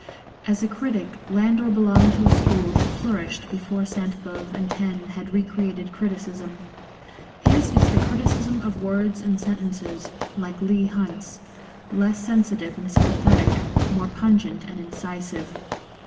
As a critic Landor belonged to a school that flourished before Sainte Beuve and Taine had re created criticism. His is the criticism of words and sentences, like Leigh Hunt's — less sensitive and sympathetic, more pungent and incisive.